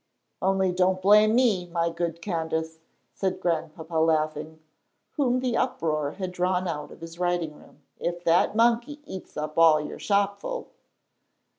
"Only don't blame me, my good Candace," said Grandpapa, laughing, whom the uproar had drawn out of his writing room, "if that monkey eats up all your shopful."